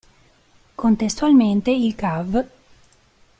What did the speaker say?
Contestualmente il Cav.